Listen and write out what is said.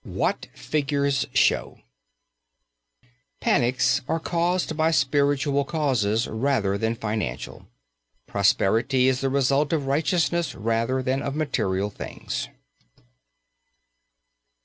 IX WHAT FIGURES SHOW Panics are caused by spiritual causes rather than financial. Prosperity is the result of righteousness rather than of material things.